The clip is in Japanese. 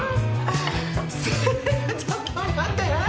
ちょっと待って。